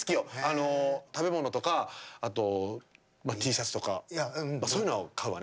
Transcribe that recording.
あの食べ物とかあとＴシャツとかそういうのは買うわね。